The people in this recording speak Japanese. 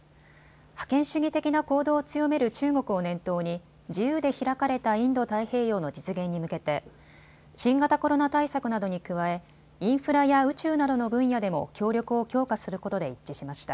覇権主義的な行動を強める中国を念頭に自由で開かれたインド太平洋の実現に向けて新型コロナ対策などに加えインフラや宇宙などの分野でも協力を強化することで一致しました。